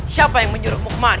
siapa yang menyuruhmu kemari